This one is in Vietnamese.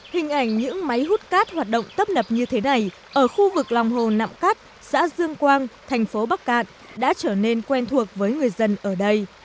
hình ảnh những máy hút cát hoạt động tấp nập như thế này ở khu vực lòng hồ nậm cắt xã dương quang thành phố bắc cạn đã trở nên quen thuộc với người dân ở đây